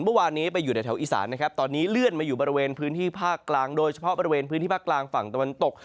เมื่อวานนี้ไปอยู่ในแถวอีสานนะครับตอนนี้เลื่อนมาอยู่บริเวณพื้นที่ภาคกลางโดยเฉพาะบริเวณพื้นที่ภาคกลางฝั่งตะวันตก